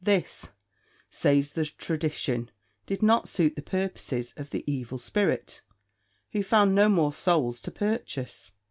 This, says the tradition, did not suit the purposes of the Evil Spirit, who found no more souls to purchase.